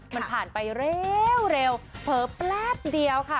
มันผ่านไปเร็วเผลอแป๊บเดียวค่ะ